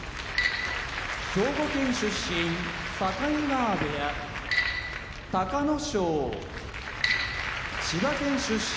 兵庫県出身境川部屋隆の勝千葉県出身